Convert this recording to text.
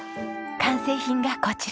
完成品がこちら。